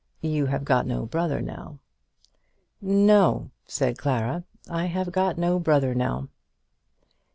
You have got no brother now." "No," said Clara; "I have got no brother now."